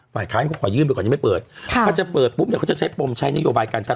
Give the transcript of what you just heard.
ค้านเขาขอยื่นไปก่อนยังไม่เปิดถ้าจะเปิดปุ๊บเนี่ยเขาจะใช้ปมใช้นโยบายการชาติ